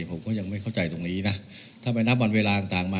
ผมก็ยังไม่เข้าใจตรงนี้นะถ้าไปนับวันเวลาต่างมา